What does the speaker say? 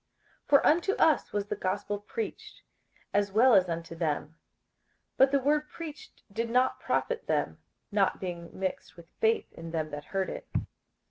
58:004:002 For unto us was the gospel preached, as well as unto them: but the word preached did not profit them, not being mixed with faith in them that heard it.